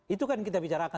itu kan kita bicarakan